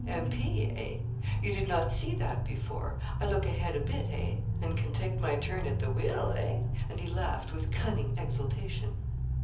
'M.P. eh? You did not see that before. I look a head a bit, eh? and can take my turn at the wheel eh?' And he laughed with cunning exultation.